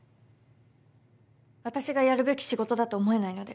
私がやるべき仕事だと思えないので。